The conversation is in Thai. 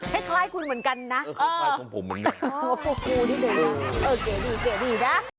ให้ใครคุณเหมือนกันนะเออคุณคุณที่เดินนะเออเกลียดดีนะ